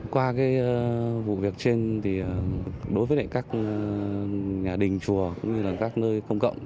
qua vụ việc trên đối với các nhà đình chùa cũng như các nơi công cộng